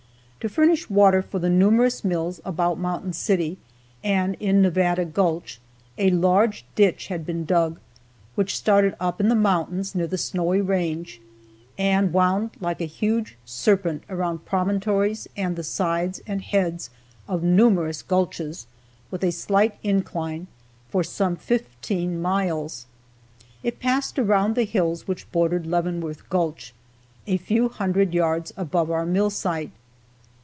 To furnish water for the numerous mills about Mountain City and in Nevada gulch a large ditch had been dug, which started up in the mountains near the Snowy range, and wound like a huge serpent around promontories and the sides and heads of numerous gulches, with a slight incline, for some fifteen miles. It passed around the hills which bordered Leavenworth gulch, a few hundred yards above our mill site.